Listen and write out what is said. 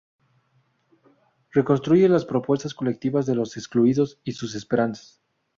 Reconstruye las propuestas colectivas de los excluidos y sus esperanzas.